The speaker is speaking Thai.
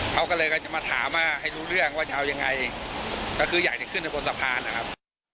เขาก็เลยก็จะมาถามว่าให้รู้เรื่องว่าจะเอายังไงก็คืออยากจะขึ้นไปบนสะพานนะครับ